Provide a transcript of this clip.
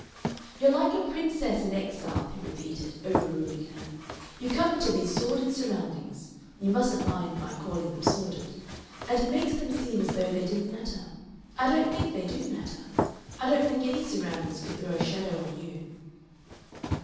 "You're like a Princess in Exile!" he repeated, overruling her. "You come into these sordid surroundings you mustn't mind my calling them sordid and it makes them seem as though they didn't matter.... I don't think they do matter. I don't think any surroundings could throw a shadow on you."